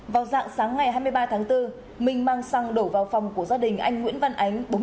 vào dạng sáng ngày hai mươi ba tháng bốn minh mang xăng đổ vào phòng của gia đình anh nguyễn văn ánh